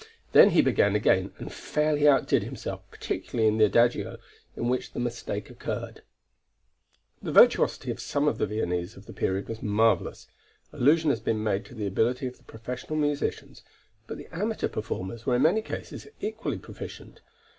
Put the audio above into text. Then he began again and fairly outdid himself, particularly in the Adagio, in which the mistake occurred. The virtuosity of some of the Viennese of the period was marvellous. Allusion has been made to the ability of the professional musicians, but the amateur performers were in many cases equally proficient.